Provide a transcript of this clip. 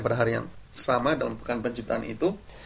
pada hari yang sama dalam pekan penciptaan itu